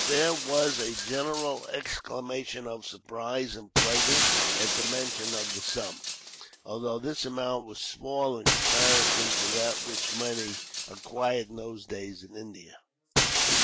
There was a general exclamation of surprise and pleasure, at the mention of the sum; although this amount was small, in comparison to that which many acquired, in those days, in India.